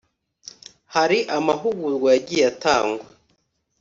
hari amahugurwa yagiye atangwa